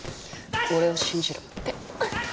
「俺を信じろ」って。